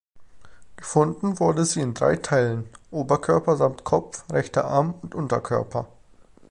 Gefunden wurde sie in drei Teilen: Oberkörper samt Kopf, rechter Arm und Unterkörper.